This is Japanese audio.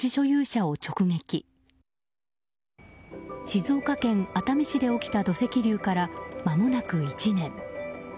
静岡県熱海市で起きた土石流から、まもなく１年。